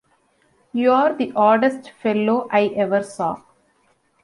You're the oddest fellow I ever saw.